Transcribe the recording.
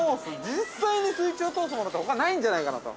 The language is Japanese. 実際に水中を通すものってほか、ないんじゃないかなと。